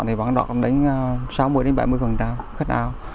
thì vẫn đoạt đến sáu mươi bảy mươi khách ảo